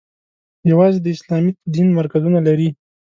یوازې د اسلامي دین مرکزونه لري.